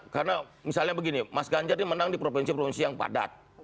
karena misalnya begini mas ganjar ini menang di provinsi provinsi yang padat